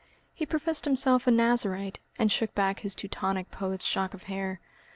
He professed himself a Nazarite, and shook back his Teutonic poet's shock of hair.